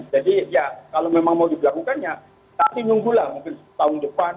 jadi ya kalau memang mau dilakukannya pasti nunggulah mungkin tahun depan